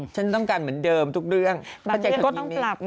ฉันต้องการเหมือนเดิมทุกเรื่อง